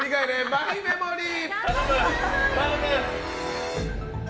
マイメモリー。